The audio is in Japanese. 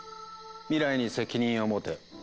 「未来に責任を持て」。